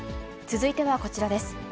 続いてはこちらです。